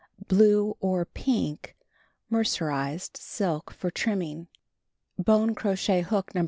Pink or blue (mercerized) silk for trim ming. Bone crochet hook No.